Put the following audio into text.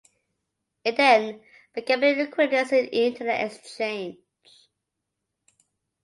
It then became an Equinix Internet Exchange.